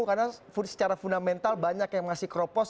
karena secara fundamental banyak yang masih kropos